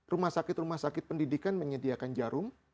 rumah sakit rumah sakit pendidikan menyediakan jarum